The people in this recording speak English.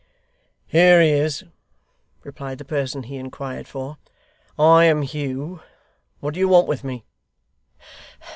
'Here he is,' replied the person he inquired for. 'I am Hugh. What do you want with me?